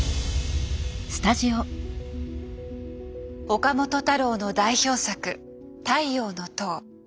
岡本太郎の代表作「太陽の塔」。